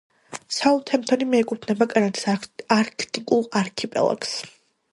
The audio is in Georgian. საუთჰემპტონი მიეკუთვნება კანადის არქტიკულ არქიპელაგს.